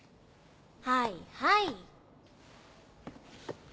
はいはい。